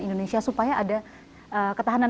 indonesia supaya ada ketahanan